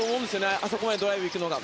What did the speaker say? あそこまでドライブに行くのは。